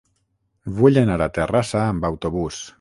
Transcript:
Vull anar a Terrassa amb autobús.